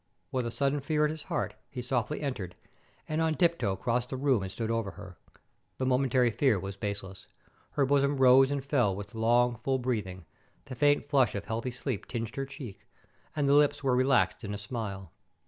With a sudden fear at his heart, he softly entered, and on tiptoe crossed the room and stood over her. The momentary fear was baseless. Her bosom rose and fell with long, full breathing, the faint flush of healthy sleep tinged her cheek, and the lips were relaxed in a smile.